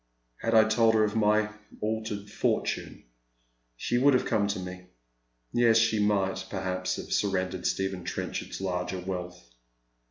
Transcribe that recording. Had I told her of my altered fortunes she would ave come to me. Yes, she might, perhaps, have surrendered Stephen Trenchard's larger wealth.